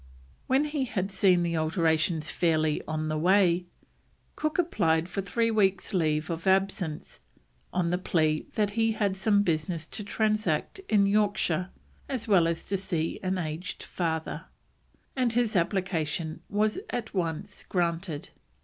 When he had seen the alterations fairly on the way, Cook applied for three weeks' leave of absence, on the plea that he had "some business to transact in Yorkshire, as well as to see an aged father," and his application was at once granted.